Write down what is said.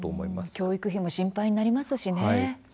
教育費も心配になりますしね。